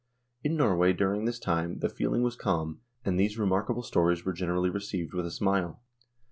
In Norway during this time the feeling was calm, and these remarkable stories were generally received with a smile.